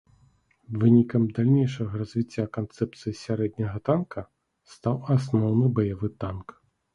Вынікам далейшага развіцця канцэпцыі сярэдняга танка стаў асноўны баявы танк.